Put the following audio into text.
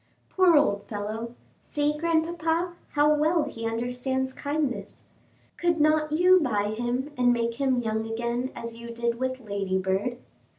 "Poor old fellow! see, grandpapa, how well he understands kindness. Could not you buy him and make him young again as you did with Ladybird?"